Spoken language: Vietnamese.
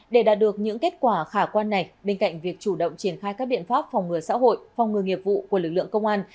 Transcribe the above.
để đạt được những kết quả khả quan này bên cạnh việc chủ động triển khai các biện pháp phòng ngừa xã hội phòng ngừa nghiệp vụ của lực lượng công an